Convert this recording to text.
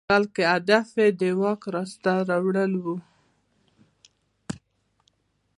بلکې هدف یې د واک لاسته راوړل وو.